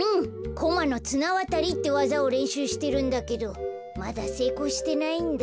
コマのつなわたりってわざをれんしゅうしてるんだけどまだせいこうしてないんだ。